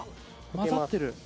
混ざってる！